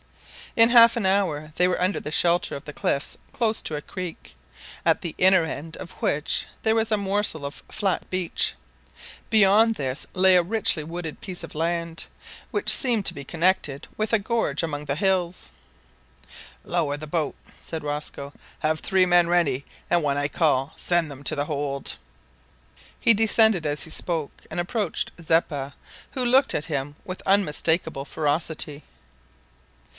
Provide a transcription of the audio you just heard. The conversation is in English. In half an hour they were under the shelter of the cliffs close to a creek, at the inner end of which there was a morsel of flat beach. Beyond this lay a richly wooded piece of land, which seemed to be connected with a gorge among the hills. "Lower the boat" said Rosco. "Have three men ready, and, when I call, send them to the hold." He descended as he spoke, and approached Zeppa, who looked at him with unmistakable ferocity.